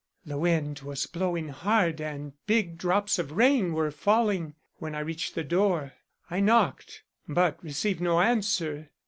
"The wind was blowing hard and big drops of rain were falling when I reached the door. I knocked, but received no answer.